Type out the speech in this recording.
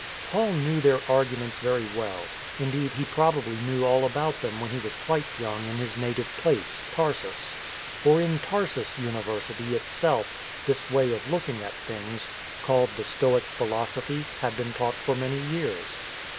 Paul knew their arguments very well; indeed he probably knew all about them when he was quite young in his native place. Tarsus. For in Tarsus University itself this way of looking at things — called the Stoic philosophy — had been taught for many years.